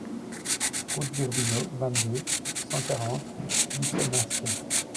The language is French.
Route d'Urbino, vingt, deux cent quarante Ghisonaccia